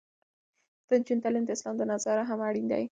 د نجونو تعلیم د اسلام له نظره هم اړین دی.